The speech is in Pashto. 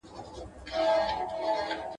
د مور برخه ښکاره او څرګنده وه